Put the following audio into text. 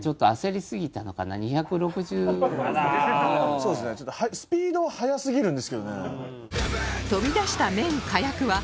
そうですねちょっとスピードは速すぎるんですけどね。